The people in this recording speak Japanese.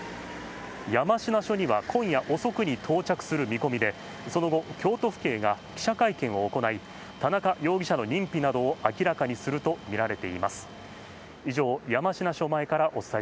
山科署には、今夜遅くに到着する見込みでその後、京都府警が記者会見を行い田中容疑者の認否などを明らかにするとみられています。